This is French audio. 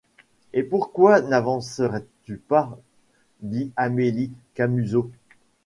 Et pourquoi n’avancerais-tu pas? dit Amélie Camusot.